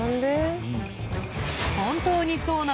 本当にそうなのか